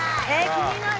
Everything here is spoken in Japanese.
気になる！